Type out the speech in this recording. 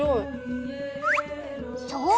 そう。